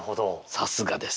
さすがです。